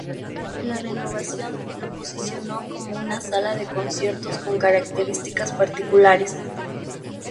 La renovación lo posicionó como una sala de conciertos con características particulares.